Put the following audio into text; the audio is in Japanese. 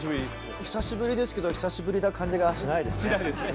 お久しぶりですけど久しぶりな感じがしないですね。